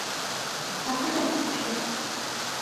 ما قلته صحيح.